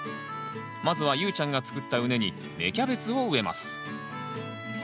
まずは裕ちゃんがつくった畝に芽キャベツを植えます。